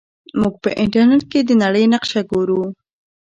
موږ په انټرنیټ کې د نړۍ نقشه ګورو.